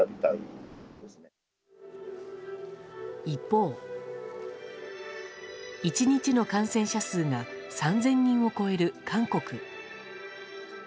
一方、１日の感染者数が３０００人を超える韓国。